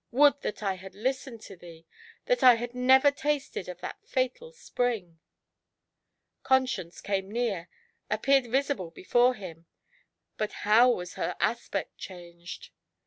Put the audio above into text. would that I had listened to thee, that I had never tasted of that fatal spring !" Conscience, ever near, appeared visible before him; but how was her aspect changed